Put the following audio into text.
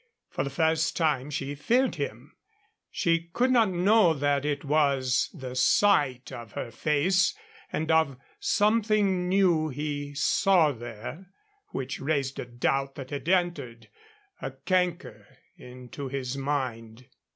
For the first time she feared him. She could not know that it was the sight of her face and of something new he saw there which raised a doubt that had entered, a canker, into his mind.